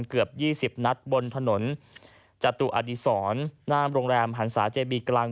เกือบ๒๐นัดบนถนนจตุอดีศรหน้าโรงแรมหันศาเจบีกลาง